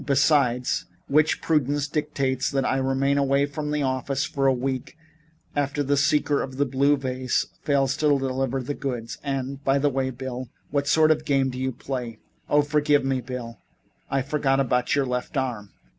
Besides which, prudence dictates that I remain away from the office for a week after the seeker of blue vases fails to deliver the goods and by the way, Bill, what sort of a game do you play? Oh, forgive me, Bill. I forgot about your left arm."